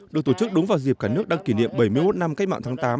được tổ chức đúng vào dịp cả nước đang kỷ niệm bảy mươi một năm cách mạng tháng tám